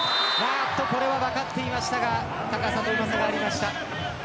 これは分かっていましたが高さとの差がありました。